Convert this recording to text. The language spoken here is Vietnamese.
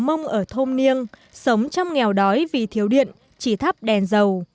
đồng bào mong ở thôm niêng sống trong nghèo đói vì thiếu điện chỉ thắp đèn dầu